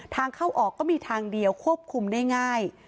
ทางเข้าออกก็มีทางเดียวควบคุมได้ง่าย